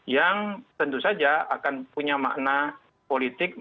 yang tentu saja akan punya makna politik